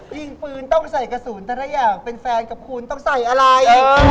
ยิงปืนต้องใส่กระสุนแต่ถ้าอยากเป็นแฟนกับคุณต้องใส่อะไร